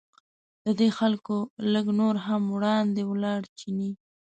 له دې خلکو لږ نور هم وړاندې ولاړ چیني.